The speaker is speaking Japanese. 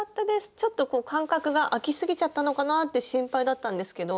ちょっと間隔があきすぎちゃったのかなって心配だったんですけど。